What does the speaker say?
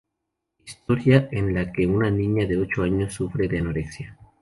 Historia en la que una niña de ocho años sufre de anorexia.